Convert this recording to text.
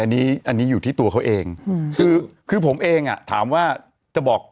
อันนี้อันนี้อยู่ที่ตัวเขาเองคือคือผมเองอ่ะถามว่าจะบอก